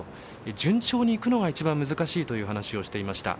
順調にいくのが一番難しいという話をしていました。